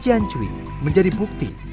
ciancui menjadi bukti